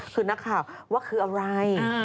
คือนักข่าวว่าคืออะไร